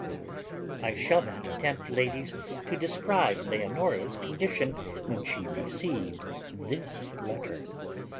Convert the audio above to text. I shall not attempt, ladies, to describe Leonora's condition when she received this letter.